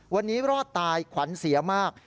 วันนี้รอดตายขวัญเสียมาก